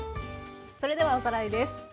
それではおさらいです。